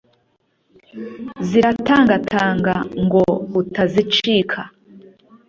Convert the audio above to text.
ziratangatanga ngo utazicika,